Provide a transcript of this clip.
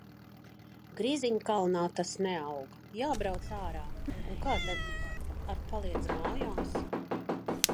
Grīziņkalnā tas neaug, jābrauc ārā - un kā tad ar paliec mājās?